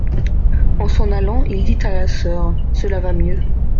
En s'en allant, il dit à la soeur : Cela va mieux.